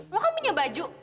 lo kan punya baju